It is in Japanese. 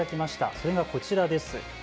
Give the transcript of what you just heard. それがこちらです。